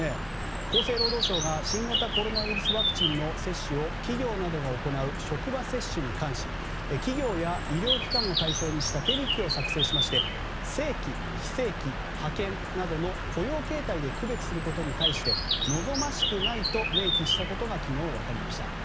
厚生労働省が新型コロナウイルスワクチンの接種を企業などが行う職場接種に関し企業や医療機関を対象にした手引を作成しまして正規、非正規、派遣などの雇用形態で区別することに対して望ましくないと明記したことが昨日、分かりました。